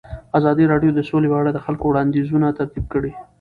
ازادي راډیو د سوله په اړه د خلکو وړاندیزونه ترتیب کړي.